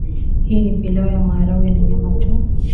Hii ni pilau ya maharage na nyama tu